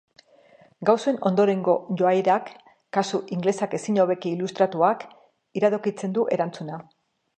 Gauzen ondorengo joairak, kasu ingelesak ezin hobeki ilustratuak, iradokitzen du erantzuna.